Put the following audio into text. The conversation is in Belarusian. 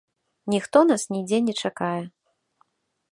Ніхто нас нідзе не чакае.